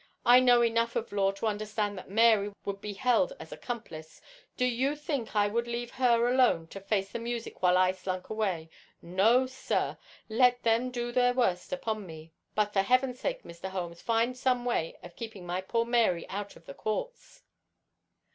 I know enough of law to understand that Mary would be had as accomplice. Do you think I would leave her alone to face the music while I slunk away? No, sir; let them do their worst upon me, but for Heaven's sake, Mr. Holmes, find some way of keeping my poor Mary out of the courts."